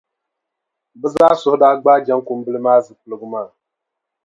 Bɛ zaa suhu daa gbaai Jaŋkumbila maa zupiligu maa.